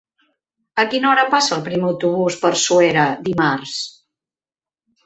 A quina hora passa el primer autobús per Suera dimarts?